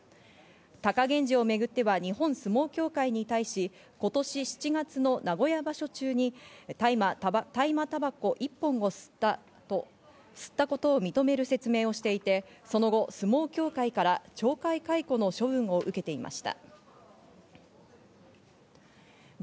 貴源治をめぐっては日本相撲協会に対し今年７月の名古屋場所中に大麻たばこ１本を吸ったことを認める説明をしていてその後、相撲協会から懲戒解雇の処分を受けていました。